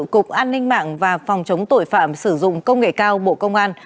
cục an ninh mạng và phòng chống tội phạm sử dụng công nghệ cao bộ công an